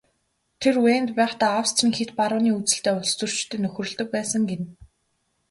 Тэр Венад байхдаа Австрийн хэт барууны үзэлтэй улстөрчтэй нөхөрлөдөг байсан гэнэ.